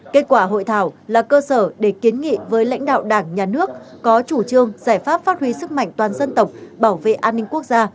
kết quả hội thảo là cơ sở để kiến nghị với lãnh đạo đảng nhà nước có chủ trương giải pháp phát huy sức mạnh toàn dân tộc bảo vệ an ninh quốc gia